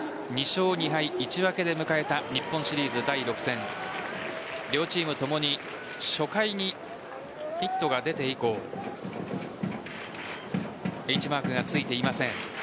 ２勝２敗１分けで迎えた日本シリーズ第６戦両チームともに初回にヒットが出て以降Ｈマークがついていません。